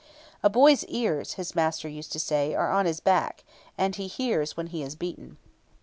"A boy's ears," his master used to say, "are on his back, and he hears when he is beaten."